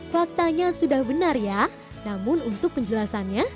faktanya sudah benar ya namun untuk penjelasannya